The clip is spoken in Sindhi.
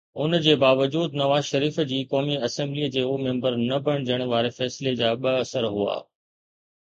ان جي باوجود نواز شريف جي قومي اسيمبليءَ جو ميمبر نه بڻجڻ واري فيصلي جا ٻه اثر هئا.